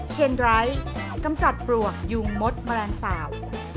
เชียงไร้กำจัดปลวกยุงมดมะลางสาบ